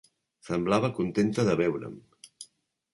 Semblava contenta de veure'm.